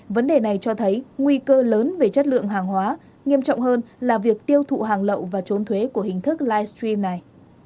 vấn đề này cho thấy nguy cơ lớn về chất lượng hàng hóa nghiêm trọng hơn là việc tiêu thụ hàng lậu và trốn thuế của hình thức livestream này